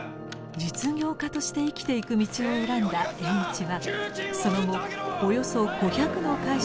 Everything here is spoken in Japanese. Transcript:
実業家として生きていく道を選んだ栄一はその後およそ５００の会社を設立したのです。